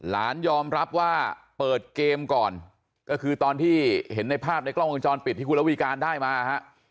หลานยอมรับว่าเปิดเกมก่อนก็คือตอนที่เห็นในภาพในกล้องวงจรปิดที่คุณระวีการได้มาฮะ